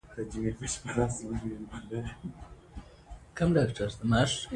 موږ باید د اختلاف پر مهال ارام او منطقي پاتې شو